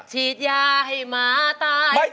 ฉีดยาให้หมาตายไปเจ็ดหมอ